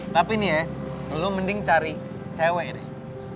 tapi nih ya lu mending cari cewek deh